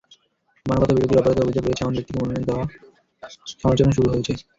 মানবতাবিরোধীর অপরাধের অভিযোগ রয়েছে এমন ব্যক্তিকে মনোনয়ন দেওয়ায় সমালোচনা শুরু হয়।